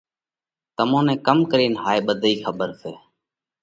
تمون نئہ ڪم ڪرينَ هائي ٻڌئِي کٻر سئہ؟